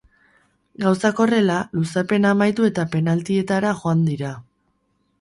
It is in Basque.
Gauzak horrela, luzapena amaitu eta penaltietara joan dira.